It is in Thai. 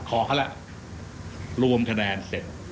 ขอเขาแล้วรวมคะแนนเสร็จ